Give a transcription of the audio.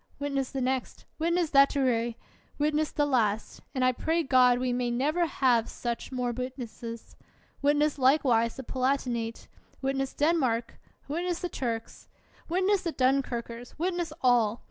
Witness the next! Witness that to Rhee ! Witness the last !( And I pray God we may never have more such wit nesses. ) Witness likewise the Palatinate ! Wit ness Denmark ! Witness the Turks ! Witness the Dunkirkers! Witness all!